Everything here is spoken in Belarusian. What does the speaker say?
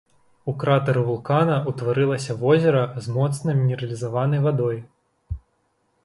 У кратары вулкана ўтварылася возера з моцна мінералізаванай вадой.